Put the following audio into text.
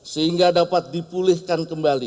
sehingga dapat dipulihkan kembali